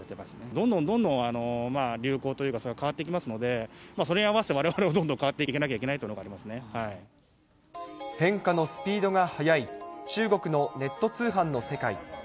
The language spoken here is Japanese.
どんどんどんどん流行というか、それが変わっていきますので、それに合わせてわれわれもどんどん変わっていかなきゃいけないっ変化のスピードが速い中国のネット通販の世界。